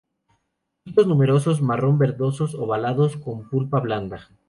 Frutos numerosos, marrón verdosos, ovalados, con pulpa blanda.